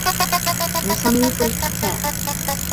مُصَنِّفُ الْكِتَابِ